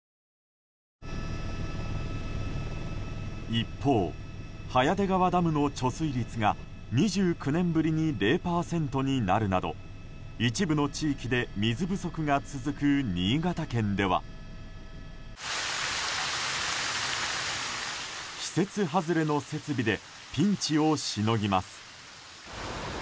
一方、早出川ダムの貯水率が２９年ぶりに０％になるなど一部の地域で水不足が続く新潟県では季節外れの設備でピンチをしのぎます。